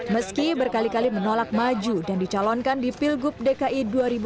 meski berkali kali menolak maju dan dicalonkan di pilgub dki dua ribu delapan belas